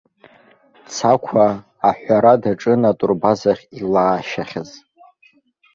Цақәа аҳәара даҿын атурбазахь илаашьахаз.